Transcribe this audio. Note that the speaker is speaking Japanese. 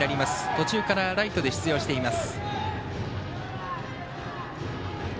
途中からライトで出場しています。